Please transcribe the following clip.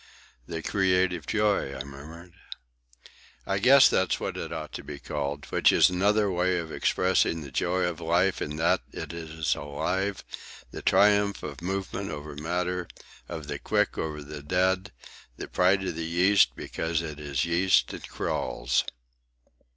"The creative joy," I murmured. "I guess that's what it ought to be called. Which is another way of expressing the joy of life in that it is alive, the triumph of movement over matter, of the quick over the dead, the pride of the yeast because it is yeast and crawls."